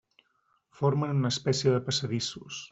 Formen una espècie de passadissos.